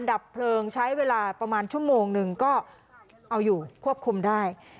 ดับเพลิงใช้เวลาประมาณชั่วโมงหนึ่งก็เอาอยู่ควบคุมได้